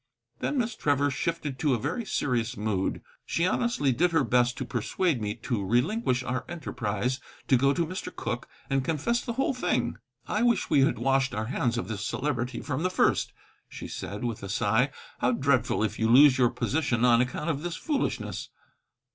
Then Miss Trevor shifted to a very serious mood. She honestly did her best to persuade me to relinquish our enterprise, to go to Mr. Cooke and confess the whole thing. "I wish we had washed our hands of this Celebrity from the first," she said, with a sigh. "How dreadful if you lose your position on account of this foolishness!"